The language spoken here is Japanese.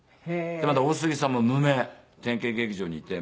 でまだ大杉さんも無名転形劇場にいて。